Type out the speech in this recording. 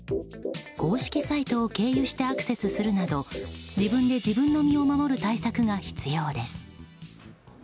公式サイトを経由してアクセスするなど自分で自分の身を守る対策が必要です。